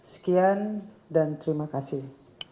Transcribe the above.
sekian dan terima kasih